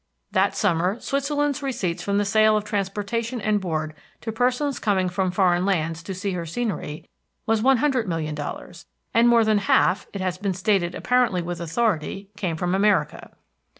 That summer Switzerland's receipts from the sale of transportation and board to persons coming from foreign lands to see her scenery was $100,000,000, and more than half, it has been stated apparently with authority, came from America.